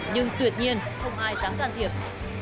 nhưng tuyệt nhiên không ai dám đàn thiệp